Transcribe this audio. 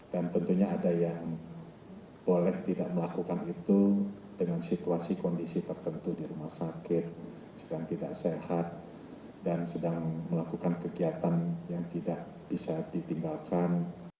dan tentunya ada yang boleh tidak melakukan itu dengan situasi kondisi tertentu di rumah sakit sedang tidak sehat dan sedang melakukan kegiatan yang tidak bisa ditinggalkan